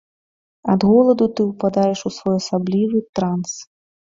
Ад голаду ты ўпадаеш у своеасаблівы транс.